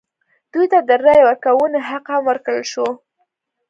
دوی ته د رایې ورکونې حق هم ورکړل شو.